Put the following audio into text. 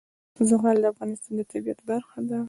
زغال د افغانستان د طبیعت برخه ده.